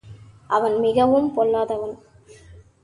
அவன் மிகவும் பொல்லாதவன்.